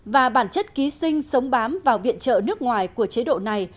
và bản chất ký sinh sống bám vào viện trợ nước ngoài của chế độ này